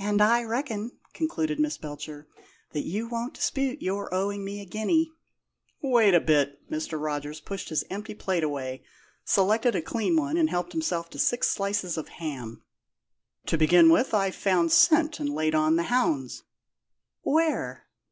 "And I reckon," concluded Miss Belcher, "that you won't dispute your owing me a guinea." "Wait a bit!" Mr. Rogers pushed his empty plate away, selected a clean one, and helped himself to six slices of ham. "To begin with, I've found scent and laid on the hounds." "Where?"